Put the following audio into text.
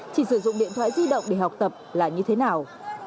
chỉ sử dụng điện thoại di động để học tập là như thế nào